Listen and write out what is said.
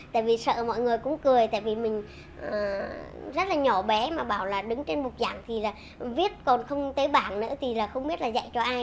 tại vì sợ mọi người cũng cười tại vì mình rất là nhỏ bé mà bảo là đứng trên mục giảng thì là viết còn không tế bảng nữa thì là không biết là dạy cho ai